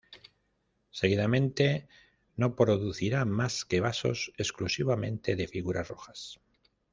Seguidamente, no producirá más que vasos exclusivamente de figuras rojas.